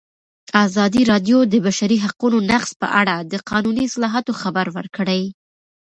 ازادي راډیو د د بشري حقونو نقض په اړه د قانوني اصلاحاتو خبر ورکړی.